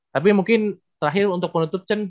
tapi mungkin terakhir untuk menutup center